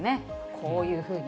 こういうふうに。